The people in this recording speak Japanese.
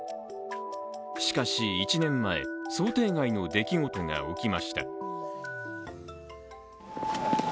しかし１年前、想定外の出来事が起きました。